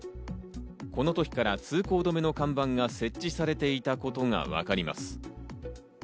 この時から通行止めの看板が設置されていたことがわかります。